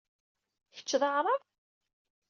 Kečč d Aɛṛab?